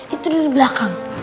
itu dari belakang